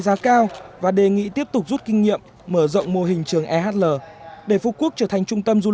giá cao và đề nghị tiếp tục rút kinh nghiệm mở rộng mô hình trường ehl để phú quốc trở thành trung tâm du